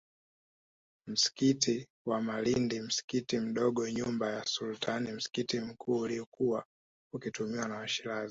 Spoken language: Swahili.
Msikiti wa Malindi msikiti mdogo nyumba ya Sultani msikiti mkuu uliokuwa ukitumiwa na Washirazi